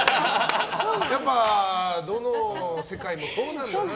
やっぱどの世界もそうなんだね。